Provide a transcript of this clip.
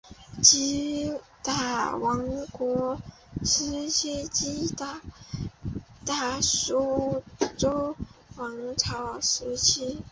吉打王国时期吉打苏丹王朝时期